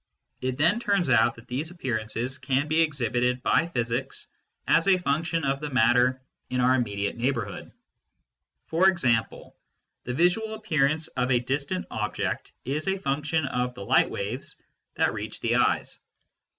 It then turns out that these appearances can be exhibited by physics as a function of SENSE DATA AND PHYSICS 167 the matter in our immediate neighbourhood ; e.g. the visual appearance of a distant object is a function of the light waves that reach the eyes.